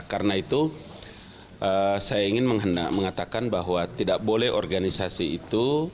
karena itu saya ingin mengatakan bahwa tidak boleh organisasi itu